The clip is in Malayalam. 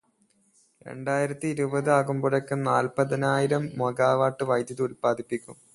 രണ്ടായിരത്തി ഇരുപത് ആകുമ്പോഴേക്കും നാല്പതിനായിരം മെഗാവാട്ട് വൈദ്യുതി ഉല്പാദിപ്പിക്കും.